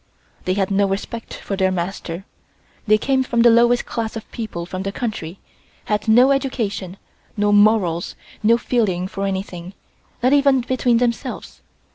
They had no respect for their master. They came from the lowest class of people from the country, had no education, no morals, no feeling for anything, not even between themselves.